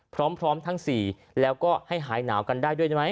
พร้อมทั้ง๔แล้วก็ให้หายหนาวกันได้ด้วยได้ไหม